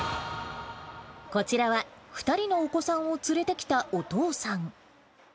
こちらは、２人のお子さんを連れてきたお父さん。